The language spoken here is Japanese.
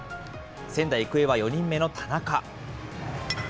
仙台育英は４人目の田中。